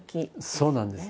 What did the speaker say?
そうなんです。